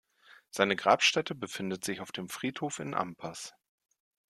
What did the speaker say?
Seine Grabstätte befindet sich auf dem Friedhof in Ampass.